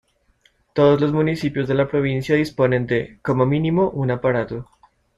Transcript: Todos los municipios de la provincia disponen de, como mínimo, un aparato.